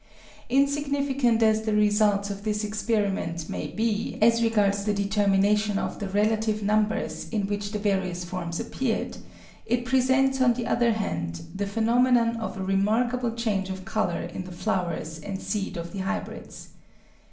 Insignificant as the results of this experiment may be as regards the determination of the relative numbers in which the various forms appeared, it presents, on the other hand, the phenomenon of a remarkable change of colour in the flowers and seed of the hybrids.